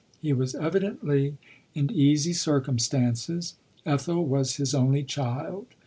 He was evidently in easy circumstances — Ethel was his only child.